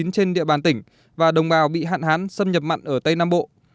trên địa bàn tỉnh và đồng bào bị hạn hán xâm nhập mặn ở tây nam bộ